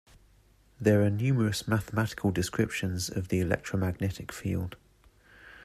There are numerous mathematical descriptions of the electromagnetic field.